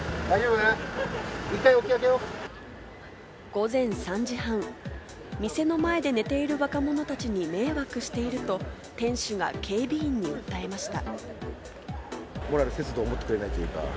午前３時半、店の前で寝ている若者たちに迷惑していると店主が警備員に訴えました。